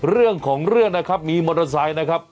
เรื่องของเรื่องนะครับมีมอเตอร์ไซค์นะครับ